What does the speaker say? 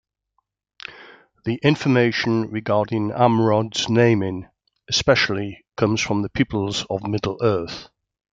The information regarding Amrod's naming, especially, comes from "The Peoples of Middle-earth".